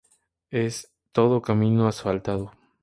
Es todo camino asfaltado.